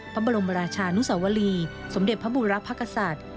พระบรมราชานุสวรีสมเด็จพระบูรพกษัตริย์